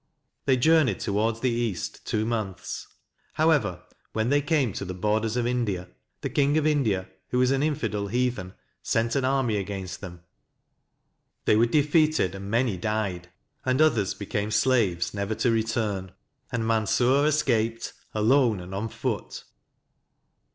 They journeyed towards the East two months. However, when they came to the borders of India, the King of India, who was an infidel heathen, sent an army against them. They were defeated, and many died, and others became slaves never to return ; and Mansur escaped alone and on foot.